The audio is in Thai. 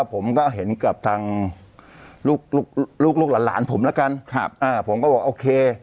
ผมก็บอกโอเค